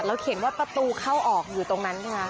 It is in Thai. เขียนว่าประตูเข้าออกอยู่ตรงนั้นใช่ไหมคะ